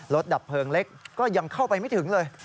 ดับเพลิงเล็กก็ยังเข้าไปไม่ถึงเลย